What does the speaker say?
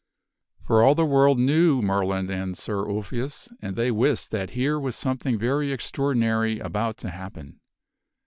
For all the world knew the assay. Merlin and Sir Ulfius, and they wist that here was something very extraordinary about to happen.